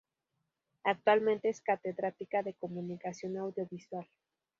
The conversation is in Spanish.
Actualmente es Catedrática de Comunicación Audiovisual.